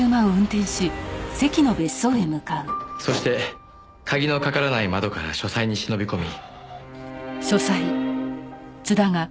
そして鍵のかからない窓から書斎に忍び込み。